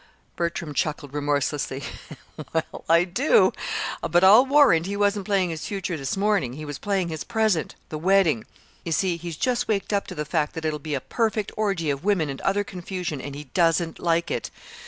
Bertram chuckled remorselessly. "Well, I do. But I'll warrant he wasn't playing his future this morning. He was playing his present the wedding. You see, he's just waked up to the fact that it'll be a perfect orgy of women and other confusion, and he doesn't like it.